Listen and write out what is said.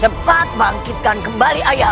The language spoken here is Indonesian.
cepat bangkitkan kembali ayamu